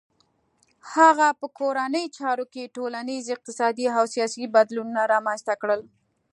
هغه په کورنیو چارو کې ټولنیز، اقتصادي او سیاسي بدلونونه رامنځته کړل.